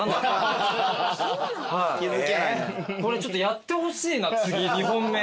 ちょっとやってほしいな次２本目。